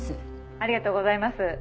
「ありがとうございます」